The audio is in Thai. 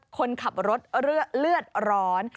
คนขับรถเลือดร้อน